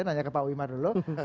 nanya ke pak wimar dulu